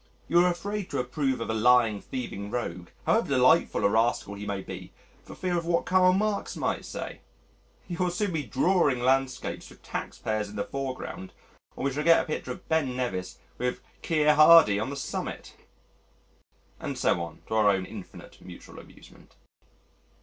You are afraid to approve of a lying, thieving rogue, however delightful a rascal he may be, for fear of what Karl Marx might say.... You'll soon be drawing landscapes with taxpayers in the foreground, or we shall get a picture of Ben Nevis with Keir Hardie on the summit." And so on to our own infinite mutual amusement.